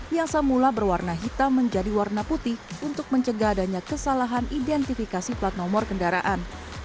yang semula berwarna hitam menjadi warna putih untuk mencegah adanya kesalahan identifikasi plat nomor kendaraan